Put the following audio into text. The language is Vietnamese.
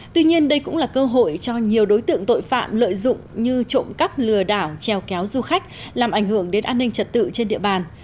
tuy nhiên đây cũng là cơ hội cho nhiều đối tượng tội phạm lợi dụng như trộm cắp lừa đảo trèo kéo du khách làm ảnh hưởng đến an ninh trật tự trên địa bàn